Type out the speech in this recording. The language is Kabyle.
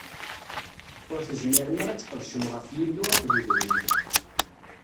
Ur tezmirem ara ad tqedcem ɣef Yillu akked udrim.